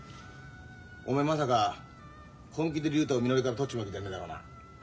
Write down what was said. おめえまさか本気で竜太をみのりからとっちまう気じゃねえだろうな。